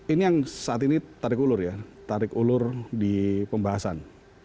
ini yang saat ini tarik ulur ya tarik ulur di pembahasan